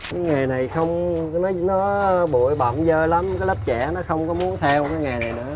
cái nghề này nó bụi bậm dơ lắm cái lớp trẻ nó không có muốn theo cái nghề này nữa